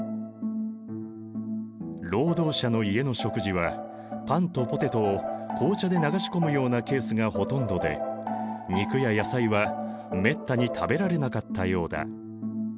労働者の家の食事はパンとポテトを紅茶で流し込むようなケースがほとんどで肉や野菜はめったに食べられなかったようだ。